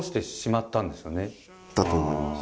だと思います。